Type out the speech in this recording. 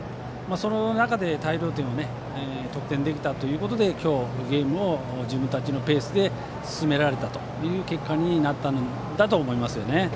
その中で大量点を得点できたということで今日のゲームを自分たちのペースで進められたという結果になったと思います。